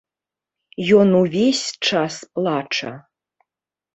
Ён увесь час плача.